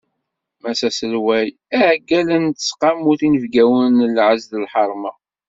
Mass Aselway, iɛeggalen n tesqamut inebgawen n lɛez d lḥerma.